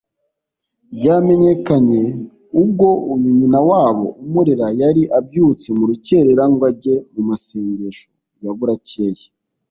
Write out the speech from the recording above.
Byamenyekanye ubwo uyu nyinawabo umurera yari abyutse mu rukerera ngo ajye mu masengesho ya buracyeye